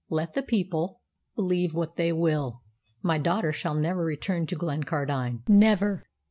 "Let the people believe what they will. My daughter shall never return to Glencardine never!"